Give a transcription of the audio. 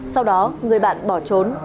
sau đó người bạn bỏ trốn